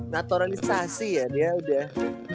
naturalisasi ya dia udah